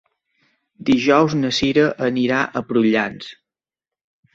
Dijous na Cira anirà a Prullans.